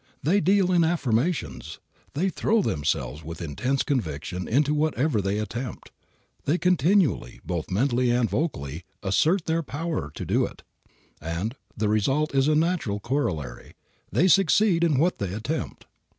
They deal in affirmations. They throw themselves with intense conviction into whatever they attempt. They continually, both mentally and vocally, assert their power to do it, and the result is a natural corollary; they succeed in what they attempt.